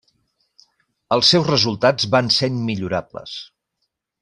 Els seus resultats van ser immillorables.